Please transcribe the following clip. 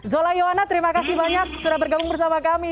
zola yowana terima kasih banyak sudah bergabung bersama kami